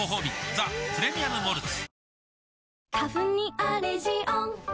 「ザ・プレミアム・モルツ」